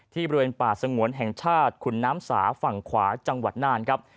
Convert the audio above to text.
บริเวณป่าสงวนแห่งชาติขุนน้ำสาฝั่งขวาจังหวัดน่านครับ